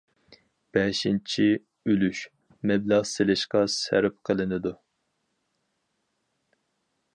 بەشىنچى ئۈلۈش، مەبلەغ سېلىشقا سەرپ قىلىنىدۇ.